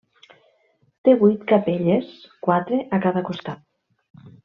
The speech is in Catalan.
Té vuit capelles, quatre a cada costat.